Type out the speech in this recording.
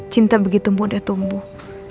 cinta begitu mudah tumbuh